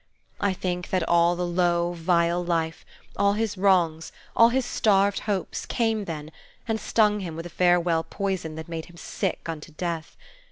I think that all the low, vile life, all his wrongs, all his starved hopes, came then, and stung him with a farewell poison that made him sick unto death.